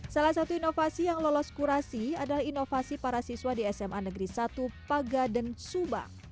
salah satu inovasi yang lolos kurasi adalah inovasi para siswa di sma negeri satu pagaden subang